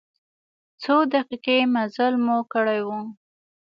څو دقیقې مزل مو کړی و.